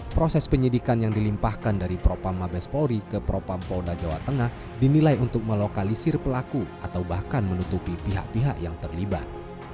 proses penyidikan yang dilimpahkan dari propam mabes polri ke propam polda jawa tengah dinilai untuk melokalisir pelaku atau bahkan menutupi pihak pihak yang terlibat